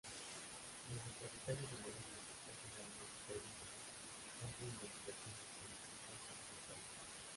Los aterrizajes en la isla están generalmente prohibidos salvo investigaciones científicas especiales.